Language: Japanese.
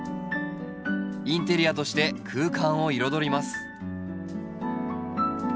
インテリアとして空間を彩ります。